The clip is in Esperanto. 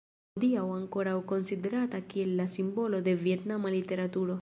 Hodiaŭ ankoraŭ konsiderata kiel la simbolo de vjetnama literaturo.